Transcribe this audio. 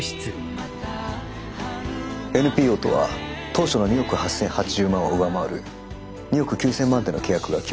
ＮＰＯとは当初の２億８，０８０万を上回る２億９，０００万での契約が決まりました。